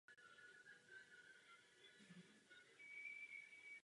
Byl členem redakční rady pro vydávání díla Zdeňka Fibicha.